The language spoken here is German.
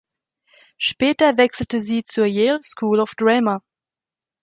Später wechselte sie zur Yale School of Drama.